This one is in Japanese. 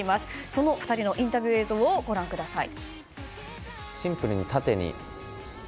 その２人のインタビュー映像をご覧ください。